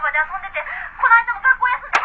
「この間も学校休んで」